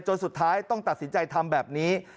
สุดท้ายต้องตัดสินใจทำแบบนี้